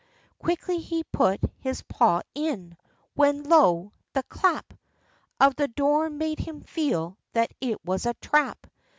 Quickly he put his paw in, when, lo! the clap Of the door made him feel that it was a trap.